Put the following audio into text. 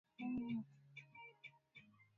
wanafunzi wa chuo hicho walikula hela zake alizowapa